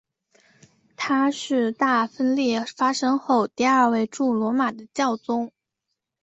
他是大分裂发生后第二位驻罗马的教宗。